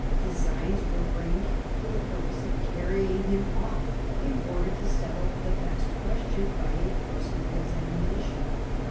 Designs were framed for the purpose of carrying him off in order to settle the vexed question by a personal examination.